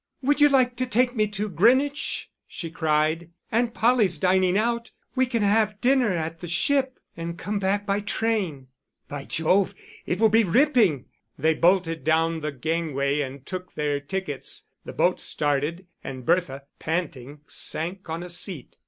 "Would you like to take me to Greenwich?" she cried. "Aunt Polly's dining out; we can have dinner at the Ship and come back by train." "By Jove, it will be ripping." They bolted down the gangway and took their tickets; the boat started, and Bertha, panting, sank on a seat.